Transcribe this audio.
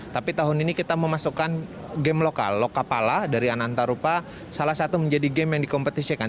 tapi tahun ini kita memasukkan game lokal lokapala dari anantarupa salah satu menjadi game yang dikompetisikan